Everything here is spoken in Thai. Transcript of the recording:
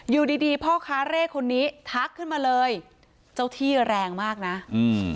อยู่ดีดีพ่อค้าเร่คนนี้ทักขึ้นมาเลยเจ้าที่แรงมากน่ะอืม